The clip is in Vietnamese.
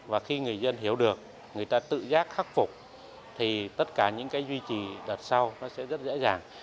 và khi người dân hiểu được người ta tự giác khắc phục thì tất cả những duy trì đợt sau sẽ rất là đáng